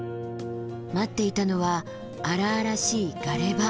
待っていたのは荒々しいガレ場。